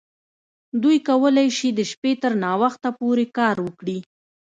دوی کولی شي د شپې تر ناوخته پورې کار وکړي